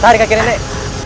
tarik lagi nenek